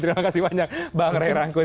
terima kasih banyak bang ray rangkuti